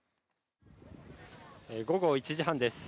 午後１時半です。